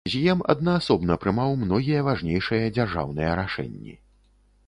З'ем аднаасобна прымаў многія важнейшыя дзяржаўныя рашэнні.